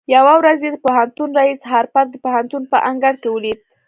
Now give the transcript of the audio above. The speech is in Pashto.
يوه ورځ يې د پوهنتون رئيس هارپر د پوهنتون په انګړ کې وليد.